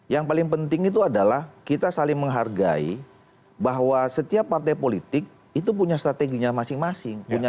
yang paling penting itu adalah kita saling menghargai bahwa setiap partai politik itu punya strateginya masing masing